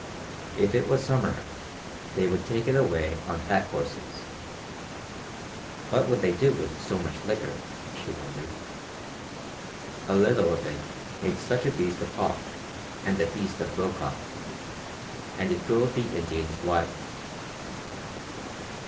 If it was summer they would take it away on pack horses. What would they do with so much liquor, she wondered? A little of it made such a beast of Hauck, and a beast of Brokaw, and it drove the Indians wild.